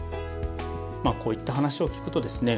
こういった話を聞くとですね